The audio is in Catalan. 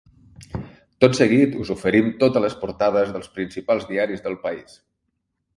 Tot seguit us oferim totes les portades dels principals diaris del país.